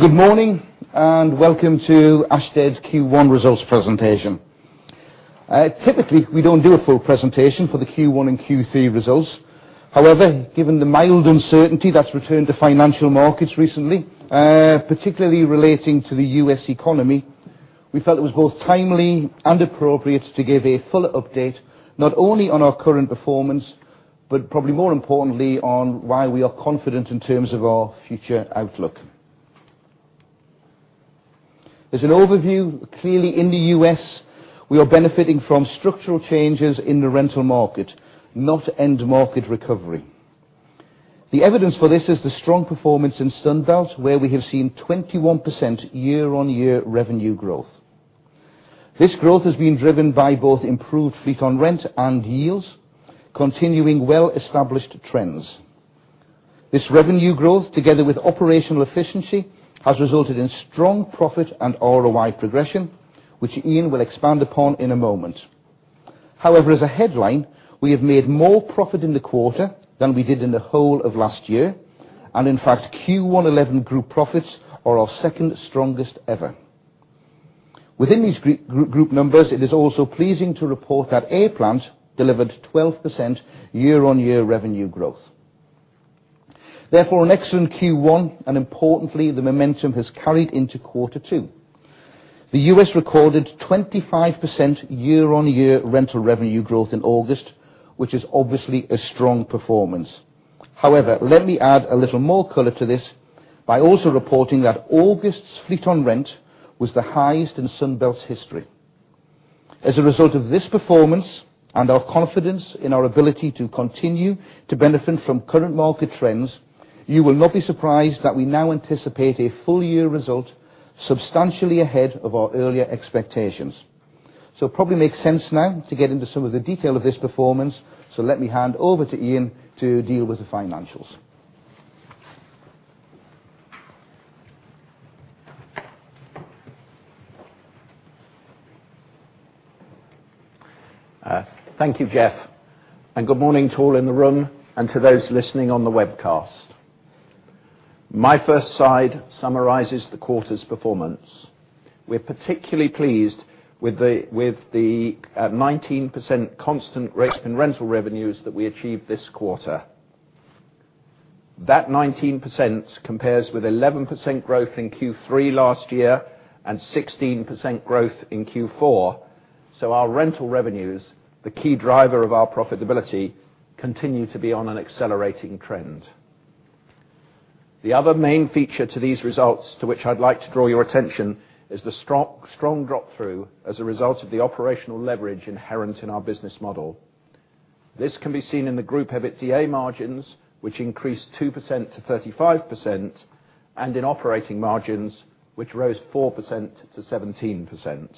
Good morning and welcome to Ashtead Q1 results presentation. Typically, we don't do a full presentation for the Q1 and Q3 results. However, given the mild uncertainty that's returned to financial markets recently, particularly relating to the U.S. economy, we felt it was both timely and appropriate to give a full update, not only on our current performance but probably more importantly on why we are confident in terms of our future outlook. As an overview, clearly in the U.S., we are benefiting from structural changes in the rental market, not end-market recovery. The evidence for this is the strong performance in Sunbelt, where we have seen 21% year-on-year revenue growth. This growth has been driven by both improved fleet-on-rent and yields, continuing well-established trends. This revenue growth, together with operational efficiency, has resulted in strong profit and ROI progression, which Ian will expand upon in a moment. As a headline, we have made more profit in the quarter than we did in the whole of last year, and in fact, Q1 2011 group profits are our second strongest ever. Within these group numbers, it is also pleasing to report that A-Plant delivered 12% year-on-year revenue growth. Therefore, an excellent Q1, and importantly, the momentum has carried into quarter two. The U.S. recorded 25% year-on-year rental revenue growth in August, which is obviously a strong performance. Let me add a little more color to this by also reporting that August's fleet-on-rent was the highest in Sunbelt Rentals' history. As a result of this performance and our confidence in our ability to continue to benefit from current market trends, you will not be surprised that we now anticipate a full-year result substantially ahead of our earlier expectations. It probably makes sense now to get into some of the detail of this performance, so let me hand over to Ian to deal with the financials. Thank you, Geoff, and good morning to all in the room and to those listening on the webcast. My first slide summarizes the quarter's performance. We're particularly pleased with the 19% constant rate in rental revenues that we achieved this quarter. That 19% compares with 11% growth in Q3 last year and 16% growth in Q4, so our rental revenues, the key driver of our profitability, continue to be on an accelerating trend. The other main feature to these results to which I'd like to draw your attention is the strong drop-through as a result of the operational leverage inherent in our business model. This can be seen in the group EBITDA margins, which increased 2% to 35%, and in operating margins, which rose 4% to 17%.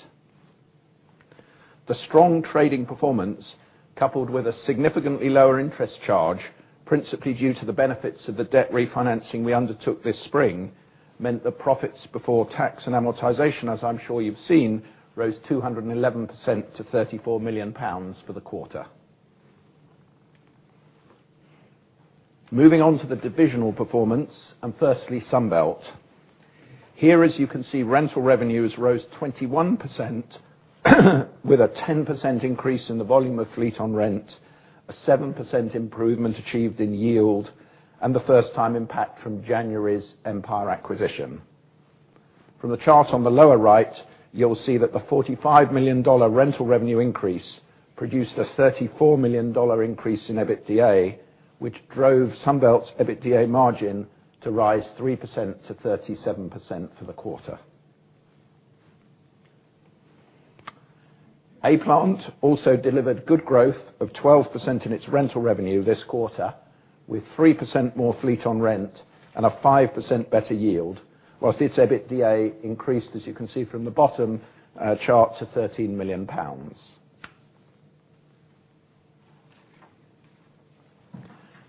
The strong trading performance, coupled with a significantly lower interest charge, principally due to the benefits of the debt refinancing we undertook this spring, meant the profits before tax and amortization, as I'm sure you've seen, rose 211% to 34 million pounds for the quarter. Moving on to the divisional performance, and firstly Sunbelt. Here, as you can see, rental revenues rose 21% with a 10% increase in the volume of fleet-on-rent, a 7% improvement achieved in yield, and the first-time impact from January's Empire acquisition. From the chart on the lower right, you'll see that the $45 million rental revenue increase produced a $34 million increase in EBITDA, which drove Sunbelt's EBITDA margin to rise 3% to 37% for the quarter. A-Plant also delivered good growth of 12% in its rental revenue this quarter, with 3% more fleet-on-rent and a 5% better yield, whilst its EBITDA increased, as you can see from the bottom chart, to 13 million pounds.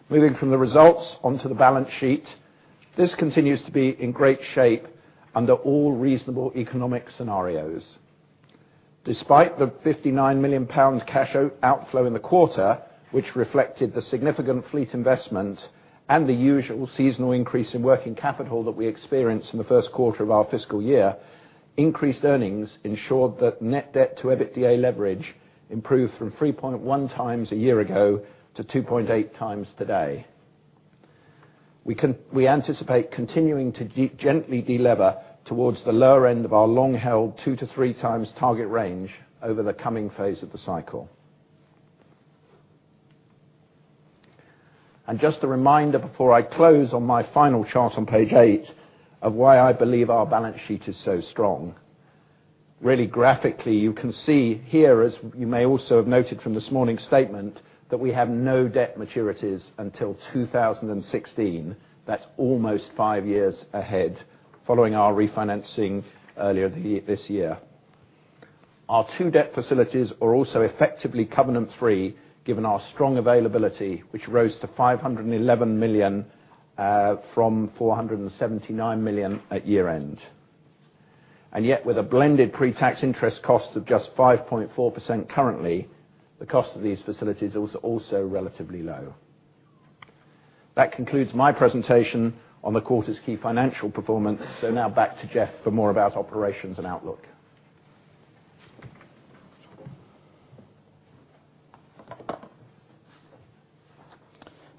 Moving from the results onto the balance sheet, this continues to be in great shape under all reasonable economic scenarios. Despite the 59 million pound cash outflow in the quarter, which reflected the significant fleet investment and the usual seasonal increase in working capital that we experienced in the first quarter of our fiscal year, increased earnings ensured that net debt-to-EBITDA leverage improved from 3.1x a year ago to 2.8x today. We anticipate continuing to gently de-lever towards the lower end of our long-held 2 to 3 times target range over the coming phase of the cycle. Just a reminder before I close on my final chart on page eight of why I believe our balance sheet is so strong. Really, graphically, you can see here, as you may also have noted from this morning's statement, that we have no debt maturities until 2016. That's almost five years ahead following our refinancing earlier this year. Our two debt facilities are also effectively covenant-free, given our strong availability, which rose to 511 million from 479 million at year-end. Yet, with a blended pre-tax interest cost of just 5.4% currently, the cost of these facilities is also relatively low. That concludes my presentation on the quarter's key financial performance, now back to Geoff for more about operations and outlook.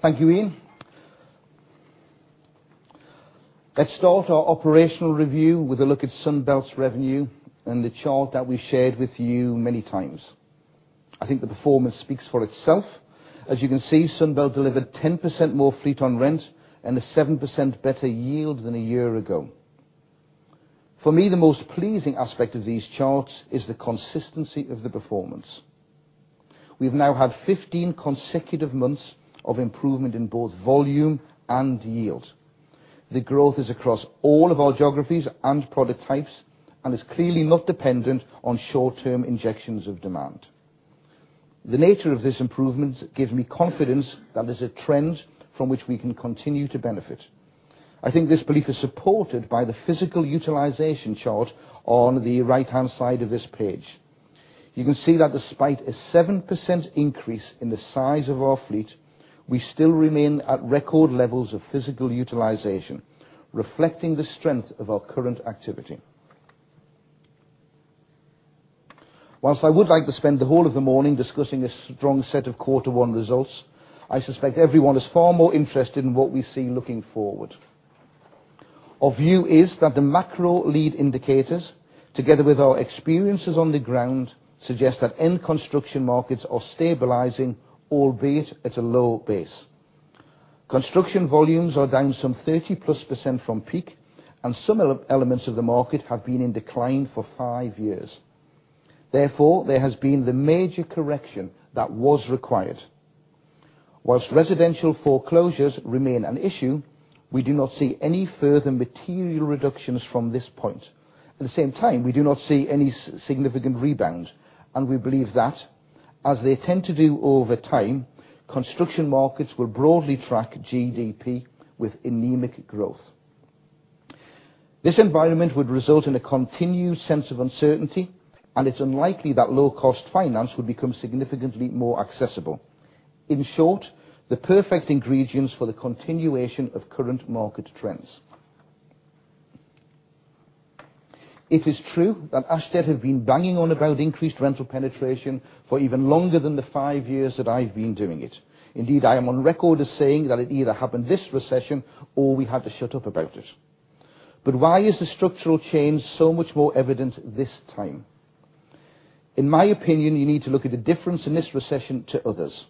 Thank you, Ian. Let's start our operational review with a look at Sunbelt's revenue and the chart that we shared with you many times. I think the performance speaks for itself. As you can see, Sunbelt delivered 10% more fleet-on-rent and a 7% better yield than a year ago. For me, the most pleasing aspect of these charts is the consistency of the performance. We've now had 15 consecutive months of improvement in both volume and yield. The growth is across all of our geographies and product types and is clearly not dependent on short-term injections of demand. The nature of this improvement gives me confidence that it's a trend from which we can continue to benefit. I think this belief is supported by the physical utilization chart on the right-hand side of this page. You can see that despite a 7% increase in the size of our fleet, we still remain at record levels of physical utilization, reflecting the strength of our current activity. Whilst I would like to spend the whole of the morning discussing a strong set of quarter one results, I suspect everyone is far more interested in what we see looking forward. Our view is that the macro lead-indicators, together with our experiences on the ground, suggest that end construction markets are stabilizing, albeit at a low base. Construction volumes are down some 30+% from peak, and some elements of the market have been in decline for five years. Therefore, there has been the major correction that was required. Whilst residential foreclosures remain an issue, we do not see any further material reductions from this point. At the same time, we do not see any significant rebound, and we believe that, as they tend to do over time, construction markets will broadly track GDP with anemic growth. This environment would result in a continued sense of uncertainty, and it's unlikely that low-cost finance would become significantly more accessible. In short, the perfect ingredients for the continuation of current market trends. It is true that Ashtead has been banging on about increased rental penetration for even longer than the five years that I've been doing it. Indeed, I am on record as saying that it either happened this recession or we had to shut up about it. Why is the structural change so much more evident this time? In my opinion, you need to look at the difference in this recession to others.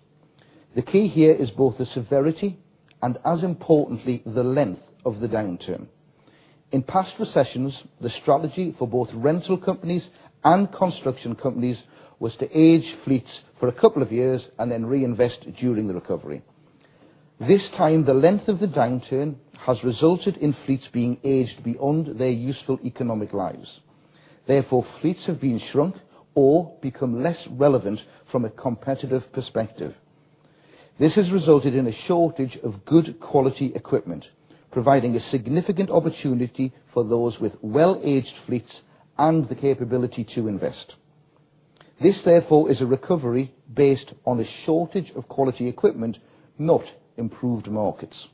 The key here is both the severity and, as importantly, the length of the downturn. In past recessions, the strategy for both rental companies and construction companies was to age fleets for a couple of years and then reinvest during the recovery. This time, the length of the downturn has resulted in fleets being aged beyond their useful economic lives. Therefore, fleets have been shrunk or become less relevant from a competitive perspective. This has resulted in a shortage of good quality equipment, providing a significant opportunity for those with well-aged fleets and the capability to invest. This, therefore, is a recovery based on a shortage of quality equipment, not improved markets.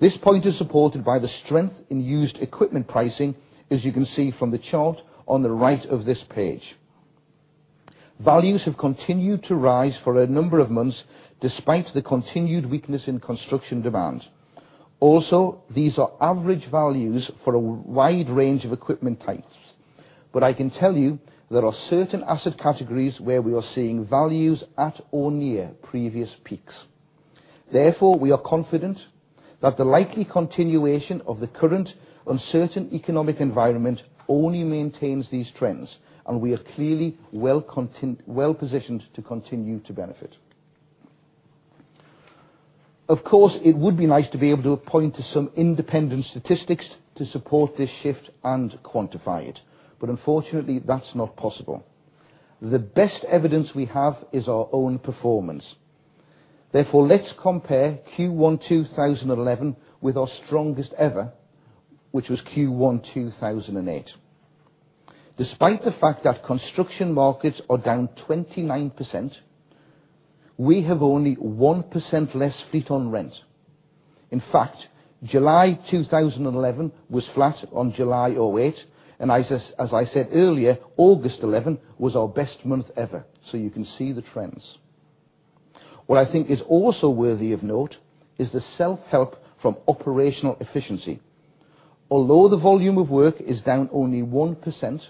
This point is supported by the strength in used equipment pricing, as you can see from the chart on the right of this page. Values have continued to rise for a number of months despite the continued weakness in construction demand. Also, these are average values for a wide range of equipment types. I can tell you there are certain asset categories where we are seeing values at or near previous peaks. Therefore, we are confident that the likely continuation of the current uncertain economic environment only maintains these trends, and we are clearly well-positioned to continue to benefit. Of course, it would be nice to be able to point to some independent statistics to support this shift and quantify it, but unfortunately, that's not possible. The best evidence we have is our own performance. Therefore, let's compare Q1 2011 with our strongest ever, which was Q1 2008. Despite the fact that construction markets are down 29%, we have only 1% less fleet-on-rent. In fact, July 2011 was flat on July 2008, and as I said earlier, August 2011 was our best month ever, so you can see the trends. What I think is also worthy of note is the self-help from operational efficiency. Although the volume of work is down only 1%,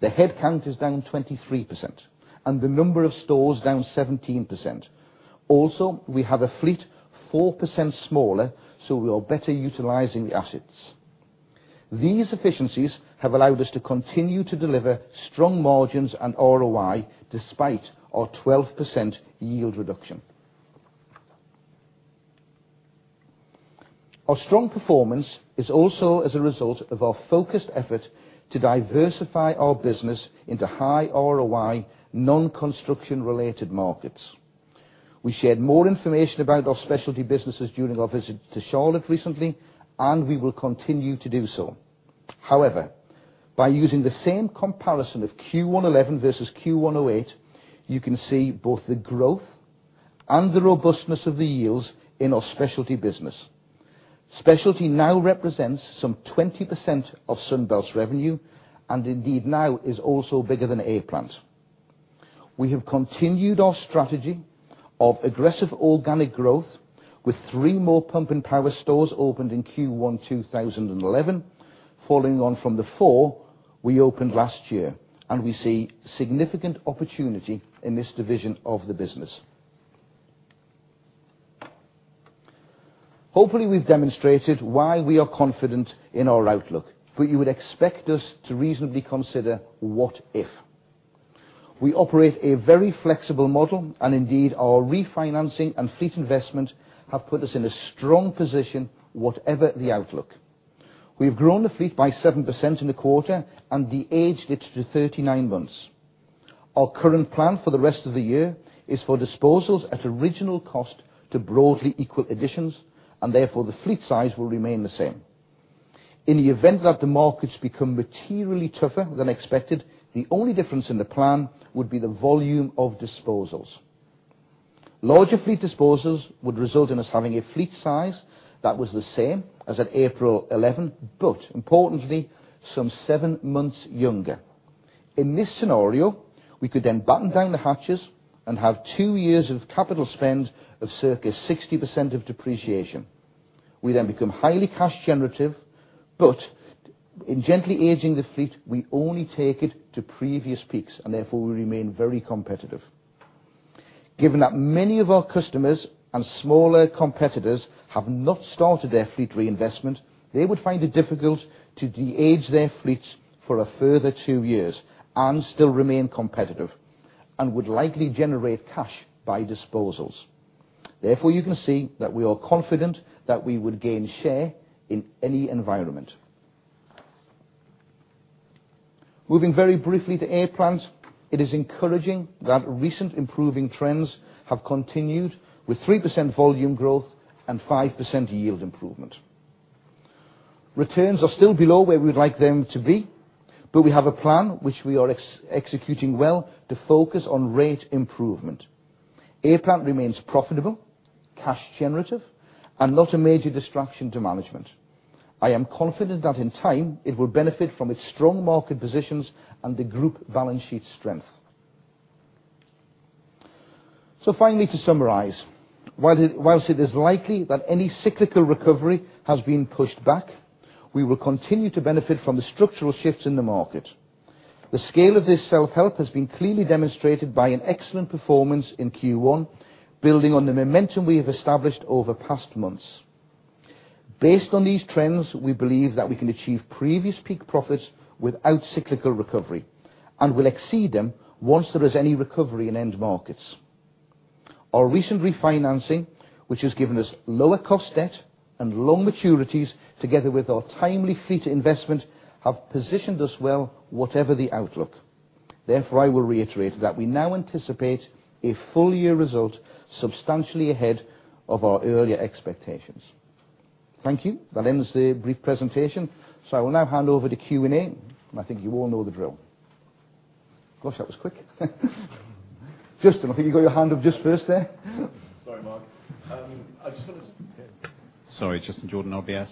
the headcount is down 23%, and the number of stores is down 17%. Also, we have a fleet 4% smaller, so we are better utilizing the assets. These efficiencies have allowed us to continue to deliver strong margins and ROI despite our 12% yield reduction. Our strong performance is also as a result of our focused effort to diversify our business into high-ROI non-construction-related markets. We shared more information about our specialty businesses during our visit to Charlotte recently, and we will continue to do so. However, by using the same comparison of Q1 2011 versus Q1 2008, you can see both the growth and the robustness of the yields in our specialty business. Specialty now represents some 20% of Sunbelt's revenue and indeed now is also bigger than A-Plant. We have continued our strategy of aggressive organic growth, with three more pump and power stores opened in Q1 2011, following on from the four we opened last year, and we see significant opportunity in this division of the business. Hopefully, we've demonstrated why we are confident in our outlook, but you would expect us to reasonably consider what if. We operate a very flexible model, and indeed, our refinancing and fleet investment have put us in a strong position, whatever the outlook. We've grown the fleet by 7% in the quarter and de-aged it to 39 months. Our current plan for the rest of the year is for disposals at original cost to broadly equal additions, and therefore, the fleet size will remain the same. In the event that the markets become materially tougher than expected, the only difference in the plan would be the volume of disposals. Larger fleet disposals would result in us having a fleet size that was the same as at April 2011, but importantly, some seven months younger. In this scenario, we could then button down the hatches and have two years of capital spend of circa 60% of depreciation. We then become highly cash generative, but in gently aging the fleet, we only take it to previous peaks, and therefore, we remain very competitive. Given that many of our customers and smaller competitors have not started their fleet reinvestment, they would find it difficult to de-age their fleets for a further two years and still remain competitive and would likely generate cash by disposals. Therefore, you can see that we are confident that we would gain share in any environment. Moving very briefly to A-Plant, it is encouraging that recent improving trends have continued with 3% volume growth and 5% yield improvement. Returns are still below where we'd like them to be, but we have a plan which we are executing well to focus on rate improvement. A-Plant remains profitable, cash generative, and not a major distraction to management. I am confident that in time, it will benefit from its strong market positions and the group balance sheet strength. Finally, to summarize, whilst it is likely that any cyclical recovery has been pushed back, we will continue to benefit from the structural shifts in the market. The scale of this self-help has been clearly demonstrated by an excellent performance in Q1, building on the momentum we have established over past months. Based on these trends, we believe that we can achieve previous peak profits without cyclical recovery and will exceed them once there is any recovery in end markets. Our recent refinancing, which has given us lower cost debt and long maturities, together with our timely fleet investment, have positioned us well, whatever the outlook. Therefore, I will reiterate that we now anticipate a full-year result substantially ahead of our earlier expectations. Thank you. That ends the brief presentation, so I will now hand over to Q&A, and I think you all know the drill. Gosh, that was quick. Justin, I think you got your hand up just first there. Sorry, Mark. I just wanted to compare. Sorry, Justin Jordan RBS.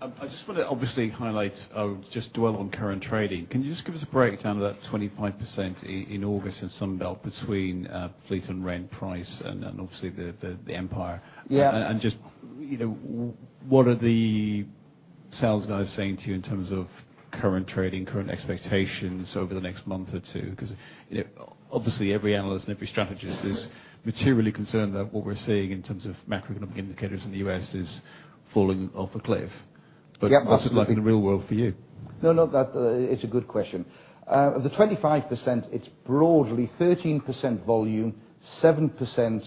I just want to obviously highlight, I'll just dwell on current trading. Can you just give us a breakdown of that 25% in August in Sunbelt between fleet-on-rent, price, and obviously the Empire? Yeah. What are the sales guys saying to you in terms of current trading, current expectations over the next month or two? Obviously, every analyst and every strategist is materially concerned that what we're seeing in terms of macroeconomic indicators in the U.S. is falling off a cliff. What's it like in the real world for you? No, no, that's a good question. Of the 25%, it's broadly 13% volume, 7%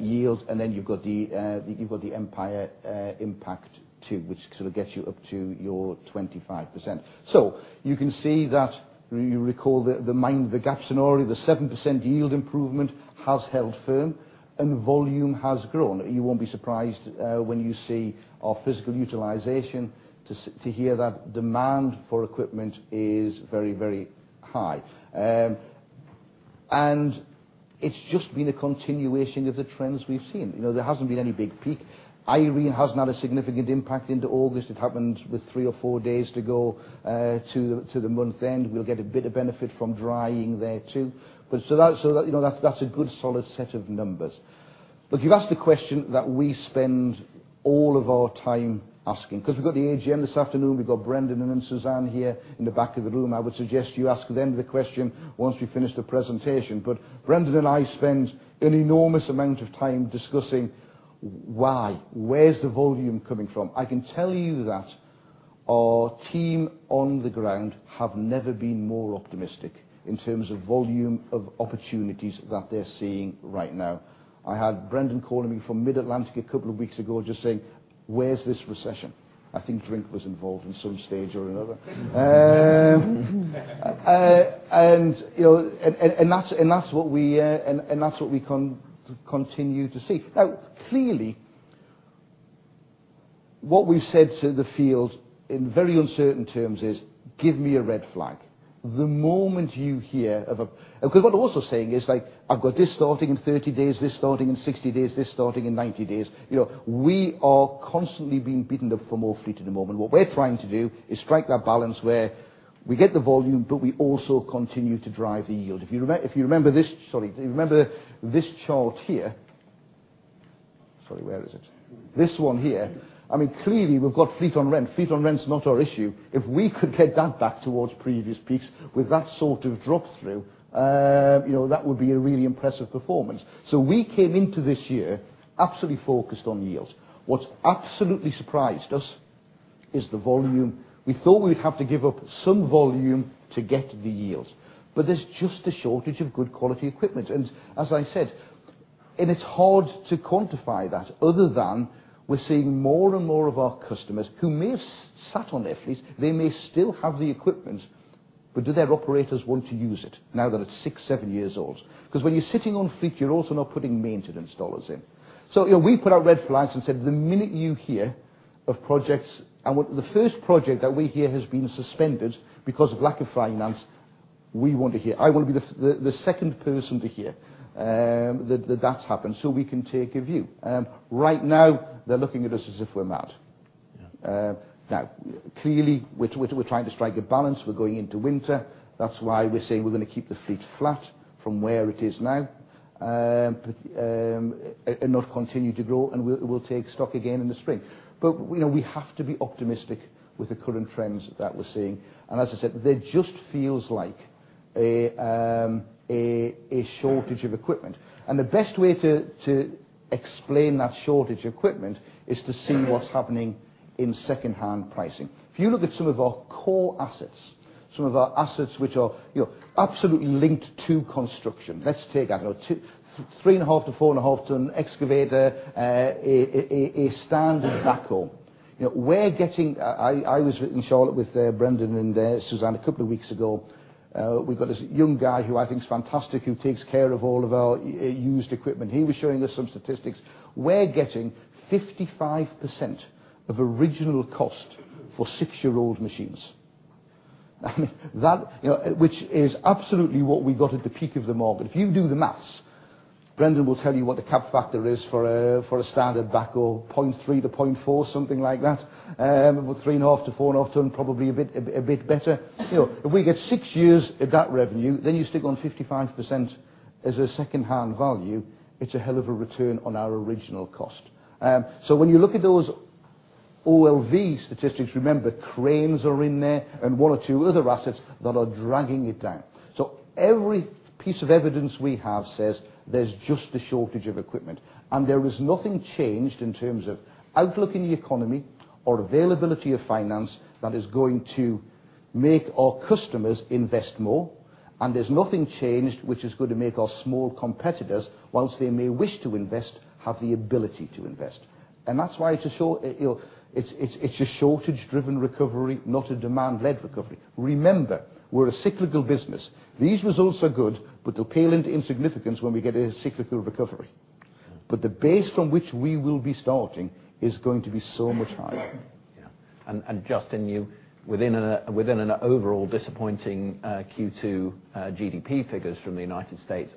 yield, and then you've got the Empire impact too, which sort of gets you up to your 25%. You can see that, you recall the mind-the-gap scenario, the 7% yield improvement has held firm and volume has grown. You won't be surprised when you see our physical utilization to hear that demand for equipment is very, very high. It's just been a continuation of the trends we've seen. There hasn't been any big peak. [IREE] hasn't had a significant impact into August. It happened with three or four days to go to the month end. We'll get a bit of benefit from drying there too. That's a good solid set of numbers. You've asked the question that we spend all of our time asking because we've got the AGM this afternoon. We've got Brendan and Suzanne here in the back of the room. I would suggest you ask them the question once we finish the presentation. Brendan and I spend an enormous amount of time discussing why, where's the volume coming from? I can tell you that our team on the ground has never been more optimistic in terms of volume of opportunities that they're seeing right now. I had Brendan calling me from Mid-Atlantic a couple of weeks ago just saying, "Where's this recession?" I think drink was involved in some stage or another. That's what we can continue to see. Clearly, what we've said to the field in very uncertain terms is, "Give me a red flag." The moment you hear of a... Because what I'm also saying is like, "I've got this starting in 30 days, this starting in 60 days, this starting in 90 days." We are constantly being beaten up for more fleet at the moment. What we're trying to do is strike that balance where we get the volume, but we also continue to drive the yield. If you remember this, sorry, do you remember this chart here? Sorry, where is it? This one here. Clearly, we've got fleet-on-rent. Fleet-on-rent is not our issue. If we could get that back towards previous peaks with that sort of drop-through, that would be a really impressive performance. We came into this year absolutely focused on yield. What absolutely surprised us is the volume. We thought we would have to give up some volume to get the yield, but there's just a shortage of good quality equipment. As I said, it's hard to quantify that other than we're seeing more and more of our customers who may have sat on their fleets. They may still have the equipment, but do their operators want to use it now that it's six, seven years old? When you're sitting on fleet, you're also not putting maintenance dollars in. We put out red flags and said, "The minute you hear of projects," and the first project that we hear has been suspended because of lack of finance, we want to hear. I want to be the second person to hear that that's happened so we can take a view. Right now, they're looking at us as if we're mad. Clearly, we're trying to strike a balance. We're going into winter. That's why we're saying we're going to keep the fleet flat from where it is now and not continue to grow, and we'll take stock again in the spring. We have to be optimistic with the current trends that we're seeing. As I said, there just feels like a shortage of equipment. The best way to explain that shortage of equipment is to see what's happening in second-hand pricing. If you look at some of our core assets, some of our assets which are absolutely linked to construction, let's take, I don't know, 3.5 ton-4.5 ton excavator, a standard back home. We're getting... I was in Charlotte with Brendan and Suzanne a couple of weeks ago. We got this young guy who I think is fantastic, who takes care of all of our used equipment. He was showing us some statistics. We're getting 55% of original cost for six-year-old machines. That, which is absolutely what we got at the peak of the market. If you do the maths, Brendan will tell you what the cap factor is for a standard back home, 0.3%-0.4%, something like that. We're 3.5 ton-4.5 ton, probably a bit better. If we get six years of that revenue, then you stick on 55% as a second-hand value, it's a hell of a return on our original cost. When you look at those OLV statistics, remember, cranes are in there and one or two other assets that are dragging it down. Every piece of evidence we have says there's just a shortage of equipment. There is nothing changed in terms of outlook in the economy or availability of finance that is going to make our customers invest more. There is nothing changed which is going to make our small competitors, whilst they may wish to invest, have the ability to invest. That is why it is a shortage-driven recovery, not a demand-led recovery. Remember, we are a cyclical business. These results are good, but they will pale into insignificance when we get a cyclical recovery. The base from which we will be starting is going to be so much higher. Yeah. Justin, within an overall disappointing Q2 GDP figures from the U.S.,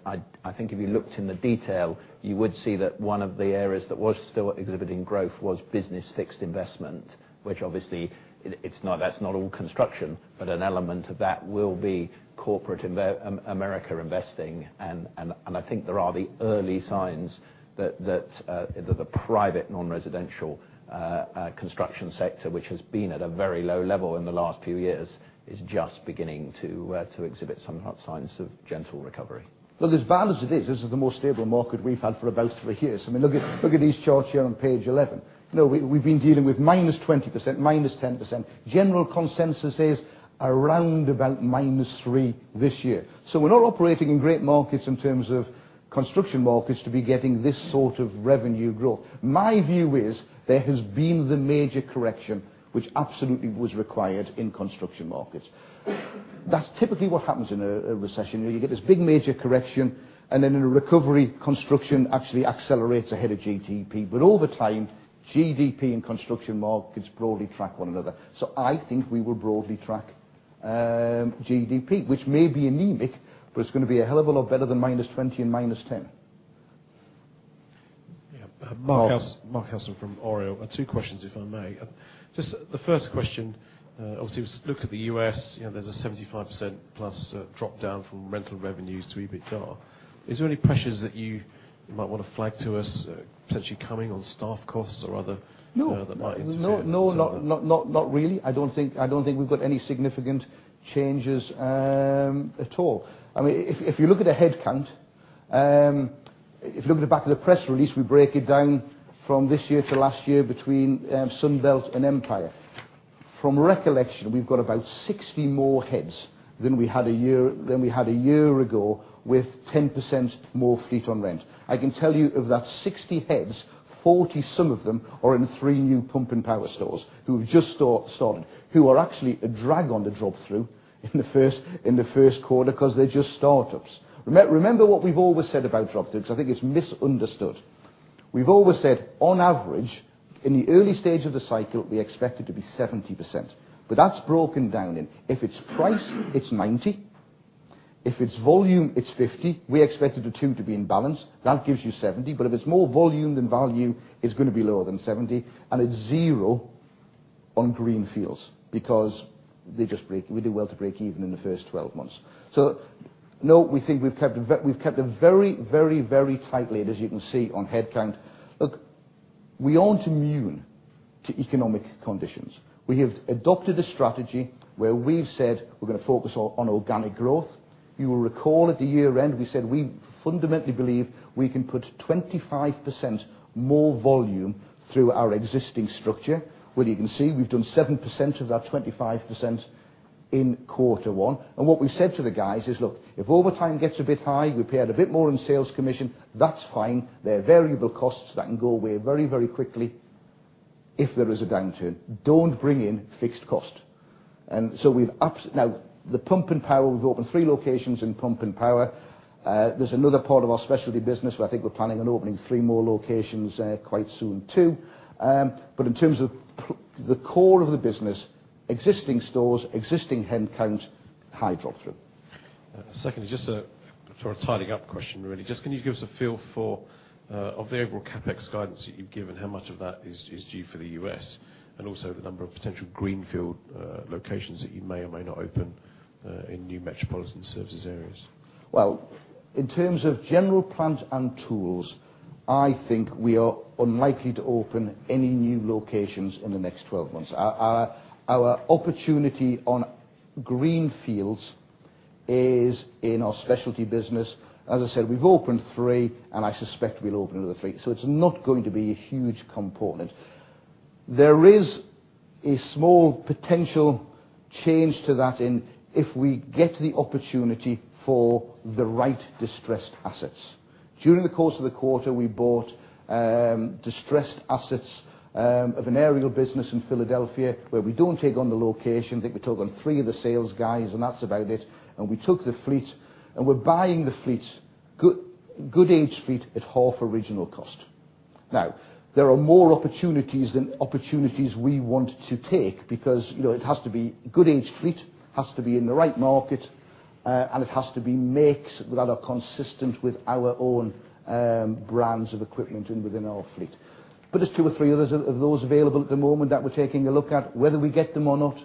I think if you looked in the detail, you would see that one of the areas that was still exhibiting growth was business fixed investment, which obviously is not all construction, but an element of that will be corporate America investing. I think there are the early signs that the private non-residential construction sector, which has been at a very low level in the last few years, is just beginning to exhibit some signs of gentle recovery. Look, as bad as it is, this is the most stable market we've had for about three years. I mean, look at these charts here on page 11. We've been dealing with -20%, -10%. General consensus is around about -3% this year. We're not operating in great markets in terms of construction markets to be getting this sort of revenue growth. My view is there has been the major correction, which absolutely was required in construction markets. That's typically what happens in a recession. You get this big major correction, and then in a recovery, construction actually accelerates ahead of GDP. Over time, GDP and construction markets broadly track one another. I think we will broadly track GDP, which may be anemic, but it's going to be a hell of a lot better than -20% and -10%. Yeah. Mark Hesse from Oreo, two questions if I may. The first question, obviously, look at the U.S. You know, there's a 75%+ drop-through from rental revenues to EBITDA. Is there any pressures that you might want to flag to us, potentially coming on staff costs or other? No, no, not really. I don't think we've got any significant changes at all. I mean, if you look at the headcount, if you look at the back of the press release, we break it down from this year to last year between Sunbelt and Empire. From recollection, we've got about 60 more heads than we had a year ago with 10% more fleet-on-rent. I can tell you of that 60 heads, 40-some of them are in three new pump and power stores who have just started, who are actually a drag on the drop-through in the first quarter because they're just startups. Remember what we've always said about drop-through? I think it's misunderstood. We've always said on average, in the early stage of the cycle, we expect it to be 70%. That's broken down. If it's price, it's 90%. If it's volume, it's 50%. We expect it to be in balance. That gives you 70%. If it's more volume than value, it's going to be lower than 70%. It's zero on greenfields because they just break. We did well to break even in the first 12 months. No, we think we've kept a very, very, very tight lead, as you can see on headcount. Look, we aren't immune to economic conditions. We have adopted a strategy where we've said we're going to focus on organic growth. You will recall at the year-end, we said we fundamentally believe we can put 25% more volume through our existing structure, whether you can see we've done 7% of that 25% in quarter one. What we said to the guys is, look, if overtime gets a bit high, we paid a bit more in sales commission, that's fine. They're variable costs that can go away very, very quickly if there is a downturn. Don't bring in fixed cost. We've now, the pump and power, we've opened three locations in pump and power. There's another part of our specialty business where I think we're planning on opening three more locations quite soon too. In terms of the core of the business, existing stores, existing headcount, high drop-through. Secondly, just a sort of tidying up question, really. Can you give us a feel for, of the overall CapEx guidance that you've given, how much of that is due for the U.S., and also the number of potential greenfield locations that you may or may not open in new metropolitan service areas? In terms of general plans and tools, I think we are unlikely to open any new locations in the next 12 months. Our opportunity on greenfields is in our specialty business. As I said, we've opened three, and I suspect we'll open another three. It is not going to be a huge component. There is a small potential change to that if we get the opportunity for the right distressed assets. During the course of the quarter, we bought distressed assets of an aerial business in Philadelphia where we do not take on the location. I think we took on three of the sales guys, and that's about it. We took the fleet, and we're buying the fleet, good-aged fleet at half original cost. There are more opportunities than opportunities we want to take because, you know, it has to be good-aged fleet, has to be in the right market, and it has to be makes that are consistent with our own brands of equipment and within our fleet. There are two or three others of those available at the moment that we're taking a look at. Whether we get them or not,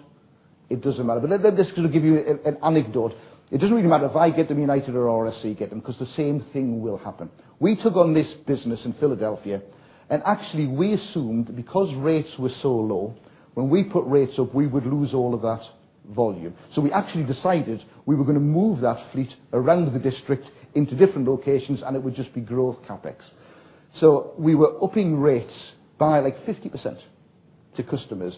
it doesn't matter. Let me just give you an anecdote. It doesn't really matter if I get them, United, or RSC get them because the same thing will happen. We took on this business in Philadelphia, and actually, we assumed because rates were so low, when we put rates up, we would lose all of that volume. We actually decided we were going to move that fleet around the district into different locations, and it would just be growth CapEx. We were upping rates by like 50% to customers,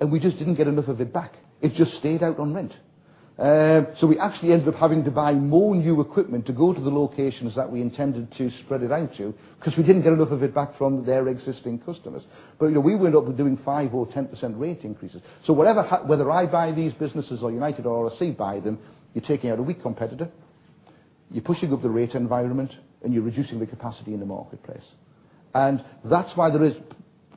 and we just didn't get enough of it back. It just stayed out on rent. We actually ended up having to buy more new equipment to go to the locations that we intended to spread it out to because we didn't get enough of it back from their existing customers. We were not doing 5% or 10% rate increases. Whether I buy these businesses or United or RSC buy them, you're taking out a weak competitor, you're pushing up the rate environment, and you're reducing the capacity in the marketplace. That is why there is,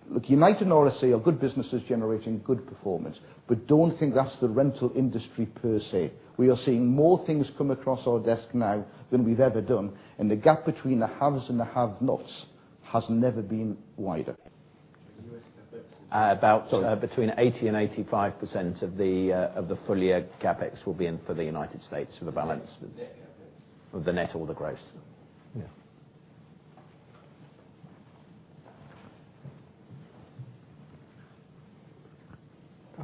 look, United and RSC are good businesses generating good performance, but don't think that's the rental industry per se. We are seeing more things come across our desk now than we've ever done, and the gap between the haves and the have-nots has never been wider. About between 80% and 85% of the full-year CapEx will be in for the United States for the balance of the net or the growth. Yeah.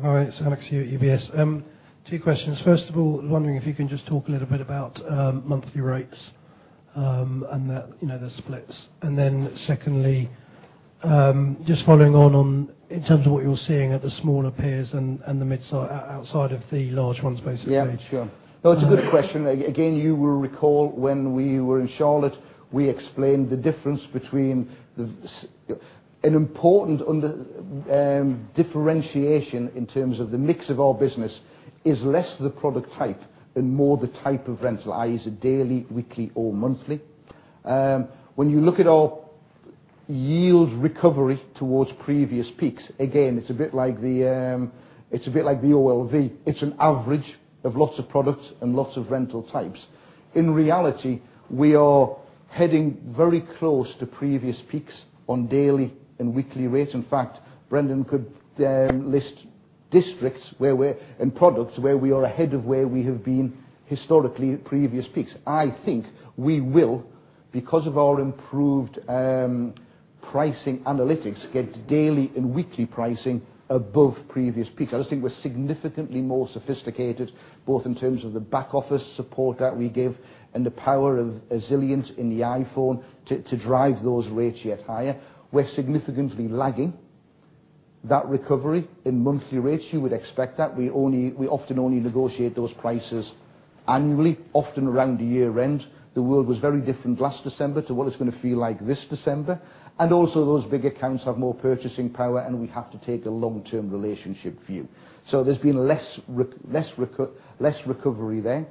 Hi, it's Alex here at [UBS]. Two questions. First of all, wondering if you can just talk a little bit about monthly rates and the splits. Then secondly, just following on in terms of what you're seeing at the smaller peers and outside of the large ones, basically. Yeah, sure. No, it's a good question. Again, you will recall when we were in Charlotte, we explained the difference between an important differentiation in terms of the mix of our business is less the product type and more the type of rental, i.e., is it daily, weekly, or monthly? When you look at our yield recovery towards previous peaks, again, it's a bit like the OLV. It's an average of lots of products and lots of rental types. In reality, we are heading very close to previous peaks on daily and weekly rates. In fact, Brendan could list districts and products where we are ahead of where we have been historically at previous peaks. I think we will, because of our improved pricing analytics, get daily and weekly pricing above previous peaks. I just think we're significantly more sophisticated, both in terms of the back office support that we give and the power of Zilliant in the iPhone to drive those rates yet higher. We're significantly lagging that recovery in monthly rates. You would expect that. We often only negotiate those prices annually, often around the year-end. The world was very different last December to what it's going to feel like this December. Also, those big accounts have more purchasing power, and we have to take a long-term relationship view. There's been less recovery there.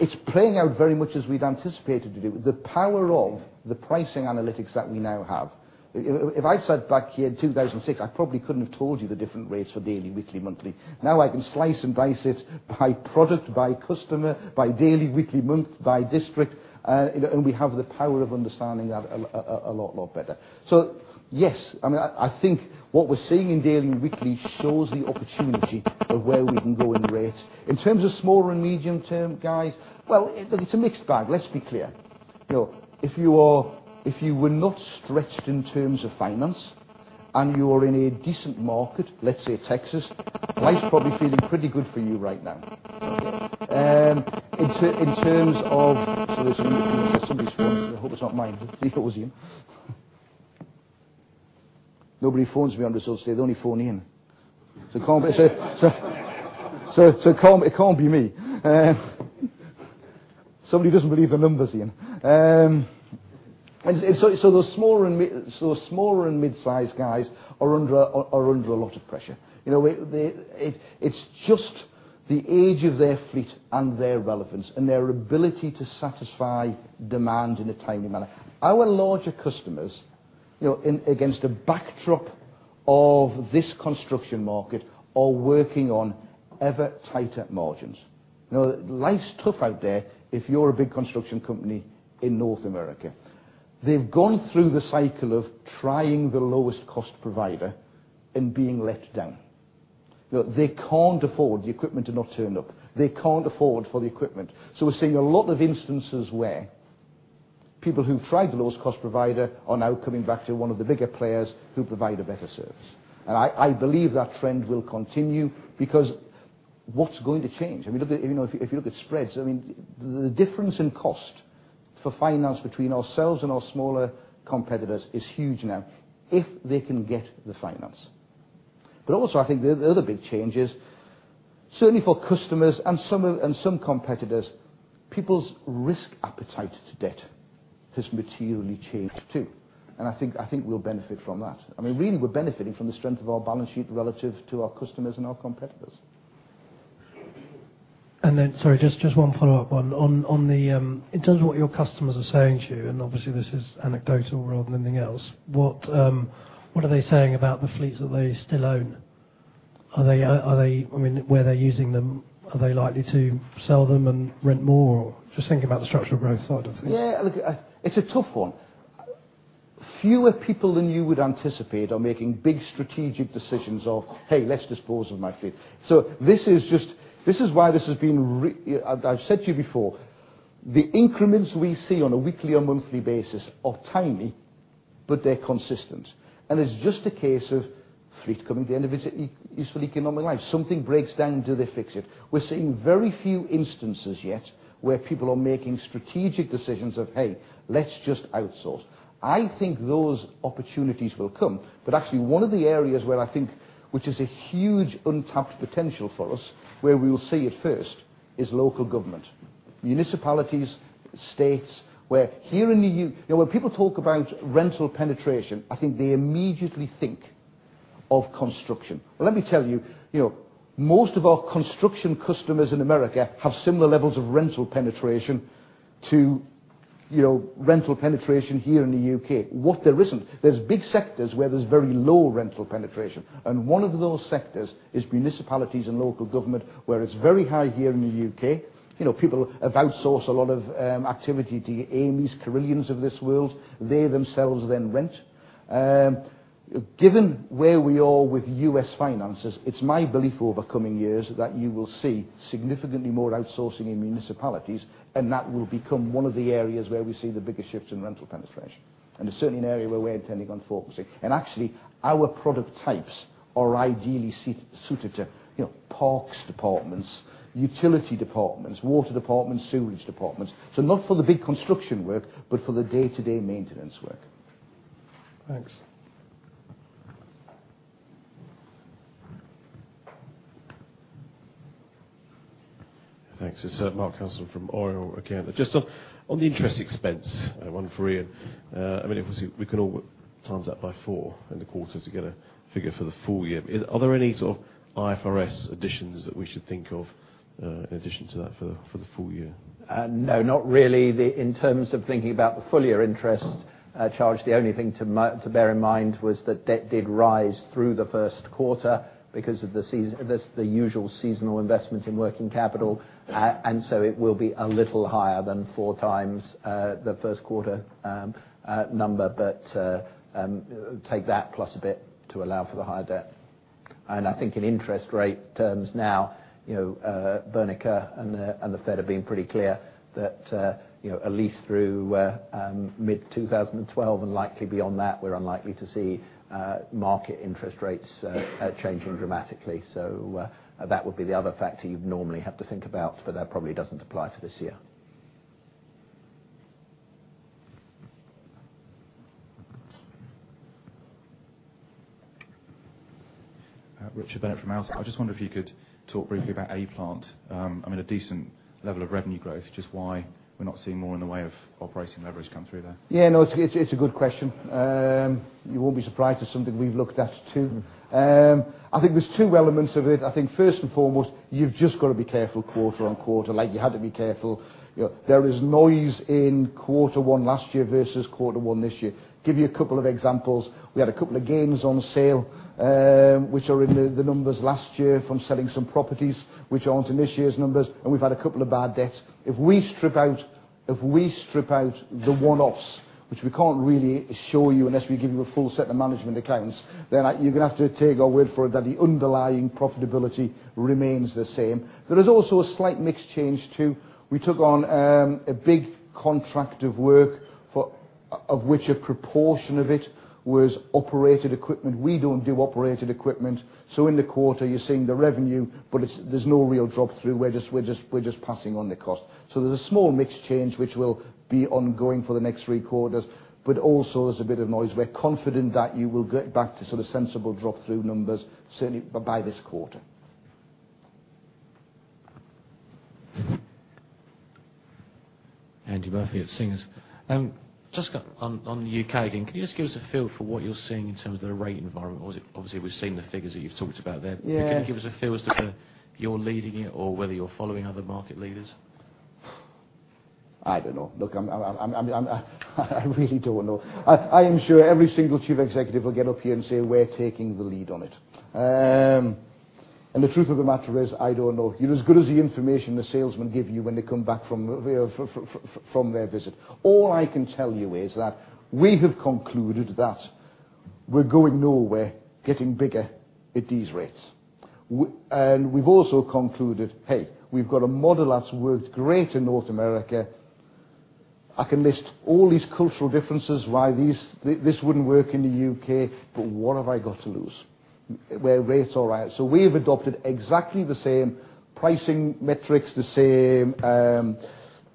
It's playing out very much as we'd anticipated to do. The power of the pricing analytics that we now have. If I'd sat back here in 2006, I probably couldn't have told you the different rates for daily, weekly, monthly. Now I can slice and dice it by product, by customer, by daily, weekly, month, by district. We have the power of understanding that a lot, lot better. Yes, I mean, I think what we're seeing in daily and weekly shows the opportunity of where we can go in rates. In terms of smaller and medium-term guys, look, it's a mixed bag. Let's be clear. If you were not stretched in terms of finance and you're in a decent market, let's say Texas, life's probably feeling pretty good for you right now. Okay. In terms of, listen, somebody's phone is on the hook, it's not mine. Do you think it was Ian? Nobody phones me on results today. They only phone Ian. It can't be me. Somebody doesn't believe in numbers, Ian. Those smaller and mid-sized guys are under a lot of pressure. It's just the age of their fleet and their relevance and their ability to satisfy demand in a timely manner. Our larger customers, you know, against a backdrop of this construction market, are working on ever tighter margins. Life's tough out there if you're a big construction company in North America. They've gone through the cycle of trying the lowest cost provider and being let down. They can't afford the equipment to not turn up. They can't afford for the equipment. We're seeing a lot of instances where people who've tried the lowest cost provider are now coming back to one of the bigger players who provide a better service. I believe that trend will continue because what's going to change? Even if you look at spreads, the difference in cost for finance between ourselves and our smaller competitors is huge now if they can get the finance. I think the other big change is certainly for customers and some competitors, people's risk appetite to debt has materially changed too. I think we'll benefit from that. We're benefiting from the strength of our balance sheet relative to our customers and our competitors. Sorry, just one follow-up in terms of what your customers are saying to you, and obviously, this is anecdotal rather than anything else. What are they saying about the fleets that they still own? Are they, I mean, where they're using them, are they likely to sell them and rent more? Just thinking about the structural growth side, I think. Yeah, look, it's a tough one. Fewer people than you would anticipate are making big strategic decisions of, "Hey, let's dispose of my fleet." This is why this has been, I've said to you before, the increments we see on a weekly and monthly basis are tiny, but they're consistent. It's just a case of fleet coming to the end of its useful economic life. Something breaks down, do they fix it? We're seeing very few instances yet where people are making strategic decisions of, "Hey, let's just outsource." I think those opportunities will come. Actually, one of the areas where I think, which is a huge untapped potential for us, where we will see it first, is local government, municipalities, states, where here in the U.K., you know, when people talk about rental penetration, I think they immediately think of construction. Let me tell you, most of our construction customers in America have similar levels of rental penetration to rental penetration here in the U.K.. What there isn't, there's big sectors where there's very low rental penetration. One of those sectors is municipalities and local government, where it's very high here in the U.K. People have outsourced a lot of activity to the Ameys, Carillions of this world. They themselves then rent. Given where we are with U.S. finances, it's my belief over coming years that you will see significantly more outsourcing in municipalities, and that will become one of the areas where we see the biggest shifts in rental penetration. It's certainly an area where we're intending on focusing. Actually, our product types are ideally suited to parks departments, utility departments, water departments, sewage departments, not for the big construction work, but for the day-to-day maintenance work. Thanks. Thanks. It's Mark Hesse from Oreo again. Just on the interest expense, one for Ian. Obviously, we can all times that by four in the quarter to get a figure for the full year. Are there any sort of IFRS additions that we should think of in addition to that for the full year? No, not really. In terms of thinking about the full-year interest charge, the only thing to bear in mind was that debt did rise through the first quarter because of the usual seasonal investment in working capital. It will be a little higher than 4x the first quarter number, but take that plus a bit to allow for the higher debt. I think in interest rate terms now, you know, Bernanke and the Fed have been pretty clear that, you know, at least through mid-2012 and likely beyond that, we're unlikely to see market interest rates changing dramatically. That would be the other factor you'd normally have to think about, but that probably doesn't apply to this year. Richard Bennett from Al's. I just wonder if you could talk briefly about A-Plant. I mean, a decent level of revenue growth, just why we're not seeing more in the way of operating leverage come through there. Yeah, no, it's a good question. You won't be surprised it's something we've looked at too. I think there's two elements of it. I think first and foremost, you've just got to be careful quarter-on-quarter. You know, there is noise in quarter one last year versus quarter one this year. I'll give you a couple of examples. We had a couple of gains on sale, which are in the numbers last year from selling some properties, which aren't in this year's numbers. We've had a couple of bad debts. If we strip out the one-offs, which we can't really show you unless we give you a full set of management accounts, then you're going to have to take our word for it that the underlying profitability remains the same. There is also a slight mix change too. We took on a big contract of work, of which a proportion of it was operated equipment. We don't do operated equipment. In the quarter, you're seeing the revenue, but there's no real drop-through. We're just passing on the cost. There's a small mix change which will be ongoing for the next three quarters. There's a bit of noise. We're confident that you will get back to sort of sensible drop-through numbers, certainly by this quarter. Just on the U.K. again, can you just give us a feel for what you're seeing in terms of the rate environment? Obviously, we've seen the figures that you've talked about there. Can you give us a feel as to whether you're leading it or whether you're following other market leaders? I don't know. I really don't know. I am sure every single Chief Executive will get up here and say we're taking the lead on it. The truth of the matter is, I don't know. You're as good as the information the salesmen give you when they come back from their visit. All I can tell you is that we have concluded that we're going nowhere, getting bigger at these rates. We've also concluded, hey, we've got a model that's worked great in North America. I can list all these cultural differences, why this wouldn't work in the U.K., but what have I got to lose? Where rates are right. We have adopted exactly the same pricing metrics, the same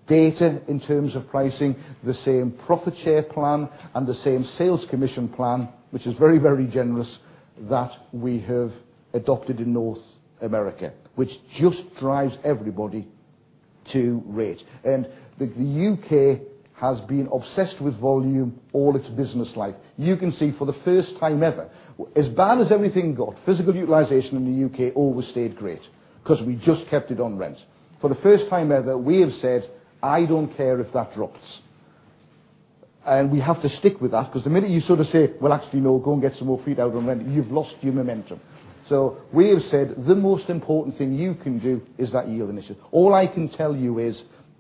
data in terms of pricing, the same profit share plan, and the same sales commission plan, which is very, very generous, that we have adopted in North America, which just drives everybody to rate. The U.K. has been obsessed with volume all its business life. You can see for the first time ever, as bad as everything got, physical utilization in the U.K. always stayed great because we just kept it on rent. For the first time ever, we have said, I don't care if that drops. We have to stick with that because the minute you sort of say, actually, no, go and get some more feet out on rent, you've lost your momentum. We have said the most important thing you can do is that yield initiative. All I can tell you is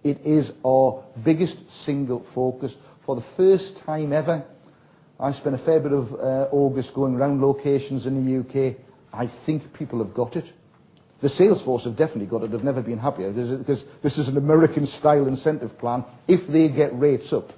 it is our biggest single focus. For the first time ever, I spent a fair bit of August going around locations in the U.K. I think people have got it. The salesforce have definitely got it. They've never been happier because this is an American-style incentive plan. If they get rates up,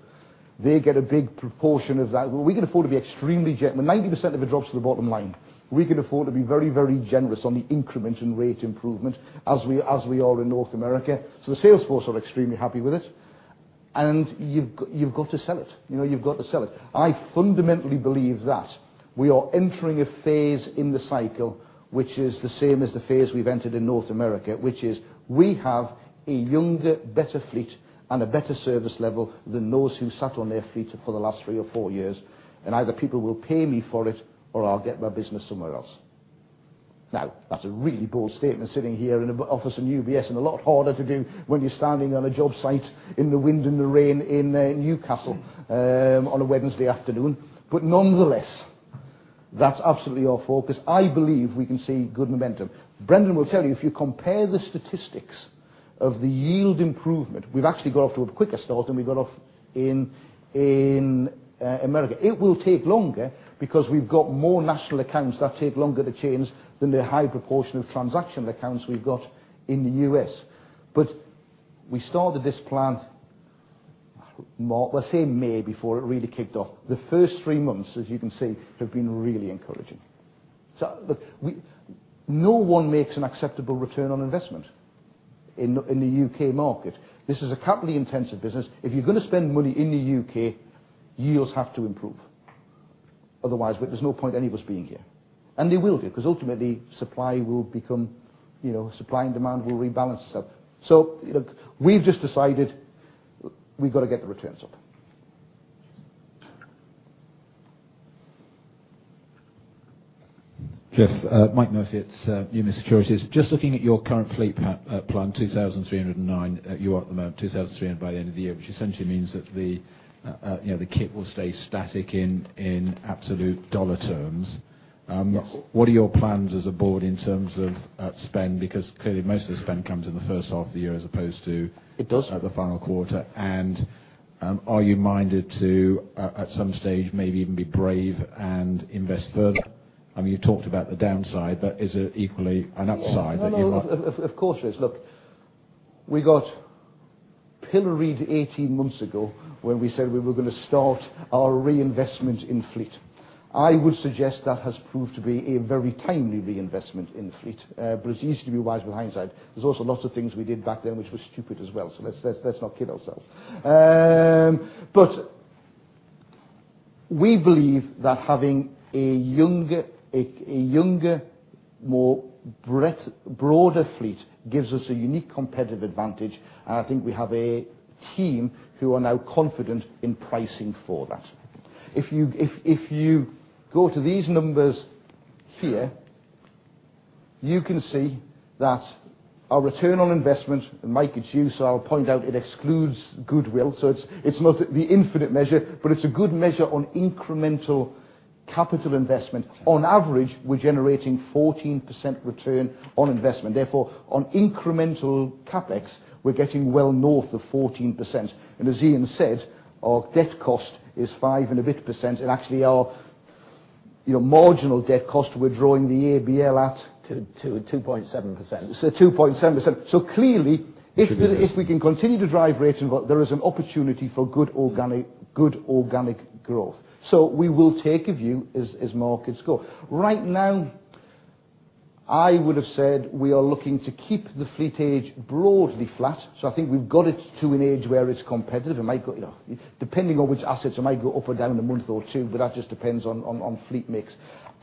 they get a big proportion of that. We can afford to be extremely gentle. 90% of it drops to the bottom line. We can afford to be very, very generous on the increments in rate improvement as we are in North America. The salesforce are extremely happy with it. You've got to sell it. You know, you've got to sell it. I fundamentally believe that we are entering a phase in the cycle which is the same as the phase we've entered in North America, which is we have a younger, better fleet and a better service level than those who sat on their fleet for the last three or four years. Either people will pay me for it or I'll get my business somewhere else. Now, that's a really bold statement sitting here in an office in UBS, and a lot harder to do when you're standing on a job site in the wind and the rain in Newcastle on a Wednesday afternoon. Nonetheless, that's absolutely our focus. I believe we can see good momentum. Brendan will tell you, if you compare the statistics of the yield improvement, we've actually got off to a quicker start than we got off in America. It will take longer because we've got more national accounts that take longer to change than the high proportion of transactional accounts we've got in the U.S. We started this plan, we'll say May before it really kicked off. The first three months, as you can see, have been really encouraging. Look, no one makes an acceptable return on investment in the U.K. market. This is a capital-intensive business. If you're going to spend money in the U.K., yields have to improve. Otherwise, there's no point any of us being here. They will do because ultimately, supply will become, you know, supply and demand will rebalance itself. We've just decided we've got to get the returns up. Geoff, Mike Murphy at [UMS Securities]. Just looking at your current fleet plan, 2,309, you are at the moment 2,300 by the end of the year, which essentially means that the kit will stay static in absolute dollar terms. What are your plans as a board in terms of spend? Clearly, most of the spend comes in the first half of the year as opposed to the final quarter. Are you minded to, at some stage, maybe even be brave and invest further? I mean, you've talked about the downside, but is there equally an upside that you're? Of course, it is. Look, we got Hillaried 18 months ago when we said we were going to start our reinvestment in fleet. I would suggest that has proved to be a very timely reinvestment in fleet. It's easy to be wise with hindsight. There are also lots of things we did back then which were stupid as well. Let's not kid ourselves. We believe that having a younger, more broader fleet gives us a unique competitive advantage. I think we have a team who are now confident in pricing for that. If you go to these numbers here, you can see that our return on investment, and Mike, it's you, so I'll point out it excludes goodwill. It's the infinite measure, but it's a good measure on incremental capital investment. On average, we're generating 14% return on investment. Therefore, on incremental CapEx, we're getting well north of 14%. As Ian said, our debt cost is 5% and a bit. Actually, our marginal debt cost we're drawing the ABL at. 2.7%. It's a 2.7%. Clearly, if we can continue to drive rates and there is an opportunity for good organic growth, we will take a view as markets go. Right now, I would have said we are looking to keep the fleet age broadly flat. I think we've got it to an age where it's competitive. It might go, you know, depending on which assets, it might go up or down a month or two, but that just depends on fleet mix.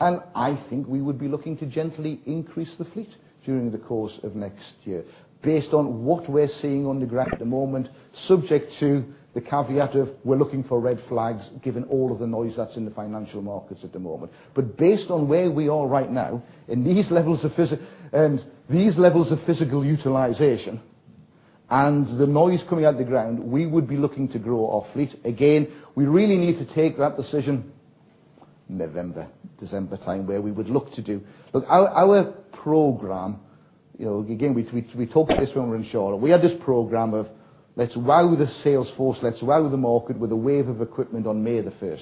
I think we would be looking to gently increase the fleet during the course of next year based on what we're seeing on the graph at the moment, subject to the caveat of we're looking for red flags given all of the noise that's in the financial markets at the moment. Based on where we are right now in these levels of physical utilization and the noise coming out of the ground, we would be looking to grow our fleet. Again, we really need to take that decision November, December time where we would look to do. Our program, you know, again, we talked to this when we were in Charlotte. We had this program of let's wow the salesforce, let's wow the market with a wave of equipment on May 1.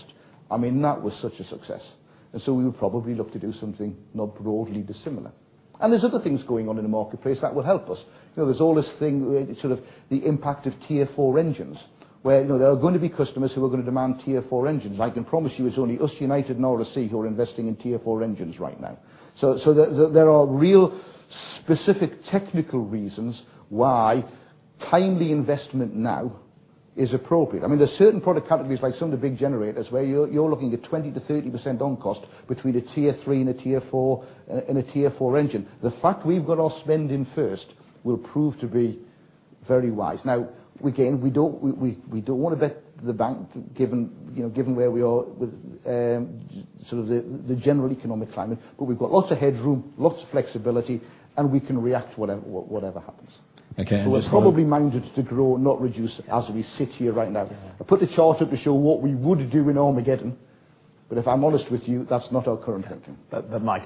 I mean, that was such a success. We would probably look to do something not broadly dissimilar. There are other things going on in the marketplace that will help us. You know, there's all this thing, sort of the impact of Tier 4 engines, where, you know, there are going to be customers who are going to demand Tier 4 engines. I can promise you it's only us, United and RSC, who are investing in Tier 4 engines right now. There are real specific technical reasons why timely investment now is appropriate. I mean, there are certain product categories, like some of the big generators, where you're looking at 20%-30% on cost between a Tier 3 and a Tier 4 engine. The fact we've got our spend in first will prove to be very wise. Again, we don't want to bet the bank given where we are with sort of the general economic climate, but we've got lots of headroom, lots of flexibility, and we can react to whatever happens. We're probably minded to grow, not reduce, as we sit here right now. I put the chart up to show what we would do in Armageddon, but if I'm honest with you, that's not our current headcount.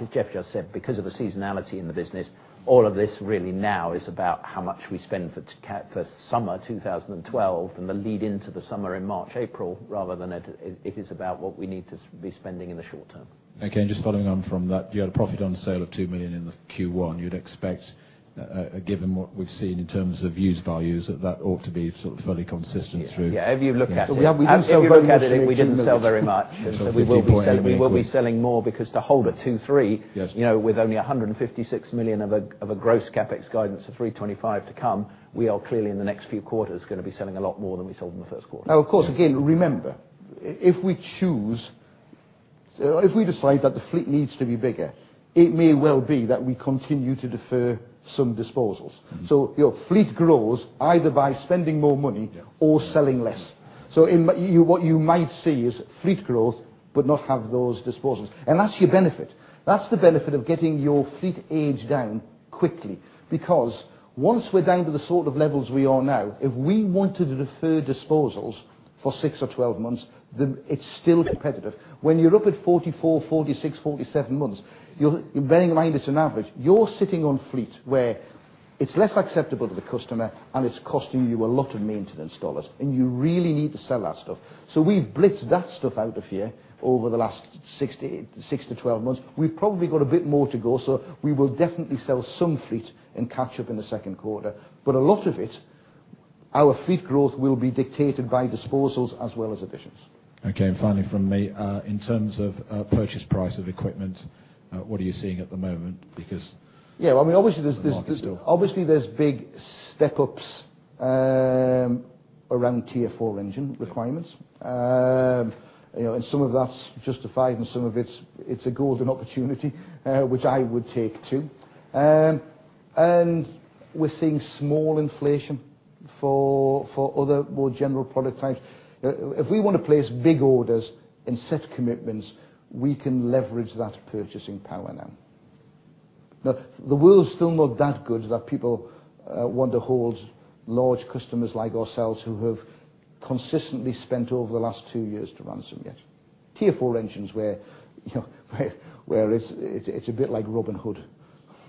As Geoff just said, because of the seasonality in the business, all of this really now is about how much we spend for summer 2012 and the lead-in to the summer in March, April, rather than it is about what we need to be spending in the short term. Okay. Just following on from that, you had a profit on sale of $2 million in Q1. You'd expect, given what we've seen in terms of views by use, that that ought to be sort of fairly consistent through. If you look at it, we didn't sell very much. We didn't sell very much. We will be selling more because to hold at two, three, you know, with only $156 million of a gross CapEx guidance of $325 million to come, we are clearly in the next few quarters going to be selling a lot more than we sold in the first quarter. Oh, of course. Again, remember, if we choose, if we decide that the fleet needs to be bigger, it may well be that we continue to defer some disposals. Your fleet grows either by spending more money or selling less. What you might see is fleet growth but not have those disposals. That's your benefit. That's the benefit of getting your fleet age down quickly because once we're down to the sort of levels we are now, if we wanted to defer disposals for 6 or 12 months, it's still competitive. When you're up at 44, 46, 47 months, bearing in mind it's an average, you're sitting on fleet where it's less acceptable to the customer and it's costing you a lot of maintenance dollars, and you really need to sell that stuff. We've blitzed that stuff out of here over the last 6-12 months. We've probably got a bit more to go. We will definitely sell some fleet and catch up in the second quarter. A lot of it, our fleet growth will be dictated by disposals as well as additions. Okay. Finally, from me, in terms of purchase price of equipment, what are you seeing at the moment? Because. Yeah, I mean, obviously, there's big step-ups around the Tier 4 engine requirements. Some of that's justified and some of it's a golden opportunity, which I would take too. We're seeing small inflation for other more general product types. If we want to place big orders and set commitments, we can leverage that purchasing power now. The world's still not that good that people want to hold large customers like ourselves who have consistently spent over the last two years to run some yet. Tier 4 engines where, you know, where it's a bit like Robin Hood.